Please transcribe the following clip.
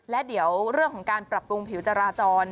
และเดี๋ยวเรื่องของการปรับปรุงผิวจราจร